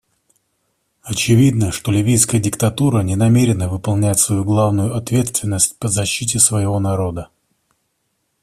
Очевидно, что ливийская диктатура не намерена выполнять свою главную ответственность по защите своего народа.